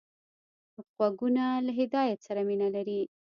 غوږونه له هدایت سره مینه لري